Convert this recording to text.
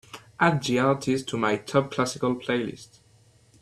Add the artist to my top classical playlist.